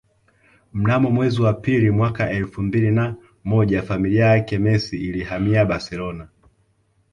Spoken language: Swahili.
Mnamo mwezi wa pili mwaka elfu mbili na moja familia yake Messi ilihamia Barcelona